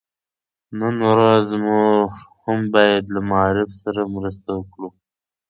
نن ورځ موږ هم بايد له معارف سره مرسته وکړو.